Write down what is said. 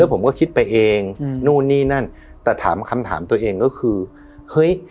ผมก็คิดไปเองอืมนู่นนี่นั่นแต่ถามคำถามตัวเองก็คือเฮ้ย